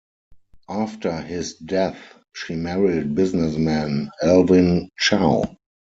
After his death, she married businessman Alwin Chow.